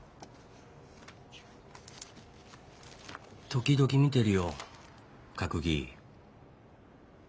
時々見てるよ閣議。